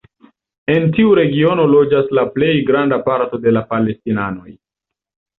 En tiu regiono loĝas la plej granda parto de la palestinanoj.